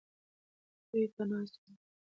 دوی پنا سول.